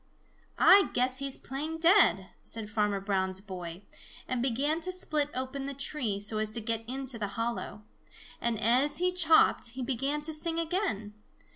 "I guess he's playing dead," said Farmer Brown's boy, and began to split open the tree, so as to get into the hollow. And as he chopped, he began to sing again.